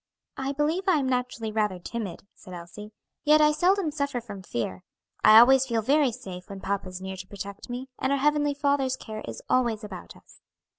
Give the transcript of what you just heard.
"I believe I am naturally rather timid," said Elsie, "yet I seldom suffer from fear. I always feel very safe when papa is near to protect me, and our Heavenly Father's care is always about us."